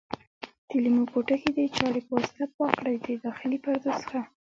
د لیمو پوټکي د چاړې په واسطه پاک کړئ د داخلي پردو څخه.